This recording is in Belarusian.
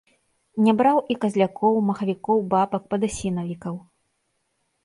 Не браў і казлякоў, махавікоў, бабак, падасінавікаў.